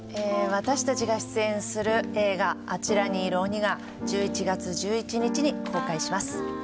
私たちが出演する映画、あちらにいる鬼が１１月１１日に公開します。